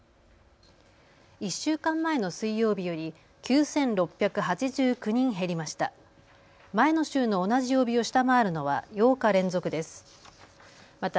１週間前の水曜日より９６８９人減りました。